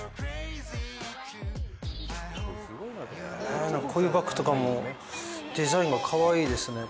こういうバッグとかもデザインがかわいいですね。